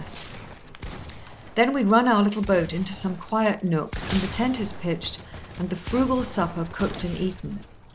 [Picture: River scene] Then we run our little boat into some quiet nook, and the tent is pitched, and the frugal supper cooked and eaten.